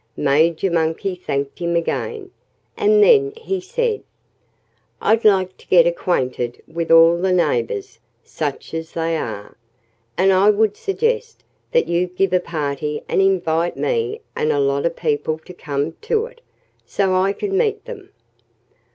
Major Monkey thanked him again. And then he said: "I'd like to get acquainted with all the neighbors such as they are. And I would suggest that you give a party and invite me and a lot of people to come to it, so I can meet them."